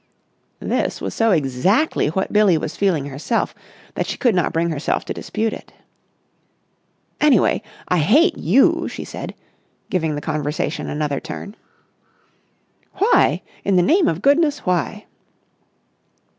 This was so exactly what Billie was feeling herself that she could not bring herself to dispute it. "Anyway, I hate you!" she said, giving the conversation another turn. "Why? In the name of goodness, why?"